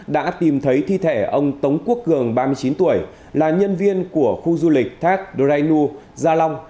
đã tìm thấy thi thể ông tống quốc cường ba mươi chín tuổi là nhân viên của khu du lịch thác đô rai nu gia long